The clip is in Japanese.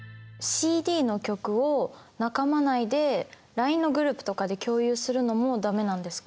ＣＤの曲を仲間内でＬＩＮＥのグループとかで共有するのもだめなんですか？